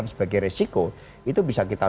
sebagai resiko itu bisa kita